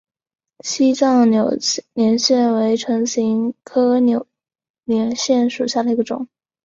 西藏扭连钱为唇形科扭连钱属下的一个种。